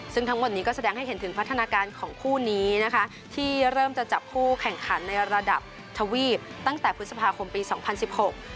ซึ่งทั้งหมดนี้ก็แสดงให้เห็นถึงพัฒนาการของคู่นี้นะคะที่เริ่มจะจับคู่แข่งขันในระดับทวีปตั้งแต่พฤษภาคมปีสองพันสิบหก